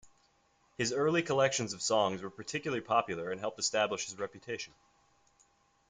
His early collections of songs were particularly popular and helped establish his reputation.